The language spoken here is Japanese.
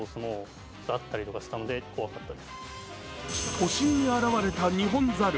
都心に現れたニホンザル。